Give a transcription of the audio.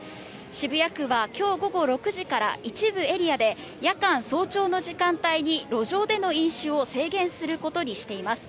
渋谷区はきょう午後６時から、一部エリアで、夜間、早朝の時間帯に路上での飲酒を制限することにしています。